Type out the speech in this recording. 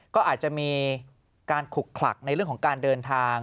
ก็อาจจะมีการขลุกขลักในเรื่องของการเดินทาง